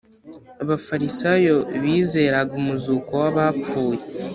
.” Abafarisayo bizeraga umuzuko w’abapfuye